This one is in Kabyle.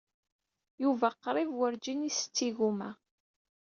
Yuba qrib werǧin isett igumma.